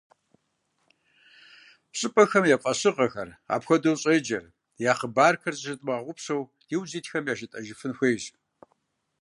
Щӏыпӏэхэм я фӏэщыгъэхэр, апхуэдэу щӏеджэр, я хъыбархэр зыщыдмыгъэгъупщэу диужь итхэми яжетӏэжыфын хуейщ.